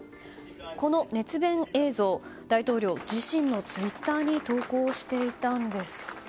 この熱弁映像、大統領自身のツイッターに投稿していたんです。